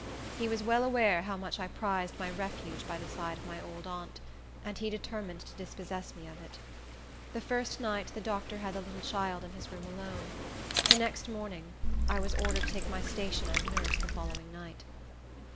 He was well aware how much I prized my refuge by the side of my old aunt, and he determined to dispossess me of it. The first night the doctor had the little child in his room alone. The next morning, I was ordered to take my station as nurse the following night.